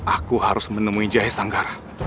aku harus menemui jahe sanggara